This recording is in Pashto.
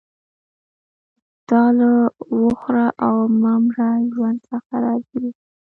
دا له وخوره او مه مره ژوند څخه راضي وو